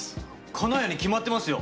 金谷に決まってますよ。